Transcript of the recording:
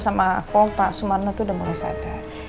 sama aku pak sumarang tuh udah mulai sadar